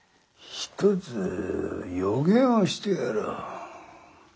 ひとつ予言をしてやろう。